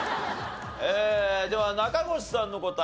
えーでは中越さんの答え。